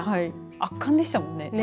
圧巻でしたもんね。